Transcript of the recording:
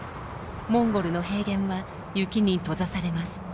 モンゴルの平原は雪に閉ざされます。